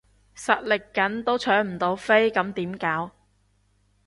實力緊都搶唔到飛咁點搞？